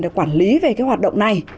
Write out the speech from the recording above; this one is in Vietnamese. để quản lý về hoạt động này